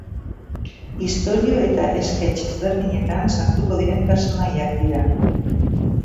Istorio eta esketx ezberdinetan sartuko diren pertsonaiak dira.